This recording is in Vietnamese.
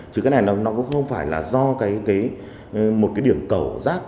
chứ cái này nó cũng không phải là do một cái điểm cầu rác